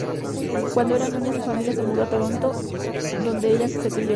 Cuando era niña su familia se mudó a Toronto, donde ella se crio.